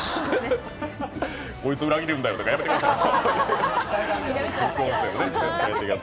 こいつ裏切るんだよとかやめてくださいよ。